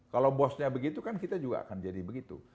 kalau bosnya begitu kan kita juga akan jadi begitu